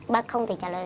bác không thể trả lời